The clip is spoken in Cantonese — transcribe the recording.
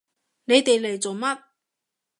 你哋嚟做乜？